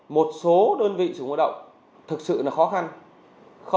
một số đơn vị sử dụng lao động thực sự là khó khăn không có khả năng là đóng đủ vào kịp thời